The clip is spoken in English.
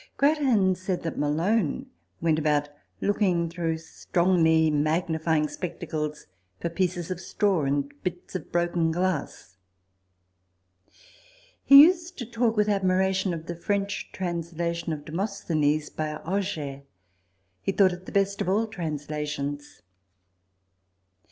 TABLE TALK OF SAMUEL ROGERS 129 Grattan said that Malone went about, looking, through strongly magnifying spectacles, for pieces of straw and bits of broken glass. He used to talk with admiration of the French translation of Demosthenes by Auger : he thought it the best of all translations.